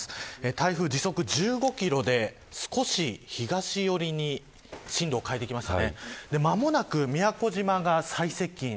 台風、時速１５キロで少し東寄りに進路を変えてきました。